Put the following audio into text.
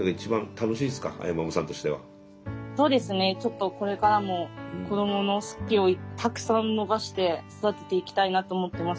ちょっとこれからも子どもの好きをたくさん伸ばして育てていきたいなと思ってます